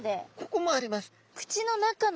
ここもあります。